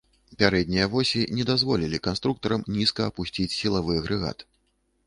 Пярэднія восі не дазволілі канструктарам нізка апусціць сілавы агрэгат.